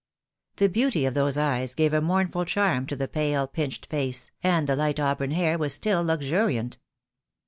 The beauty of those eyes gave a mourn ful charm to the pale pinched face, and the light auburn hair was still luxuriant.